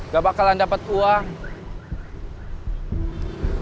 gak bakalan dapet uang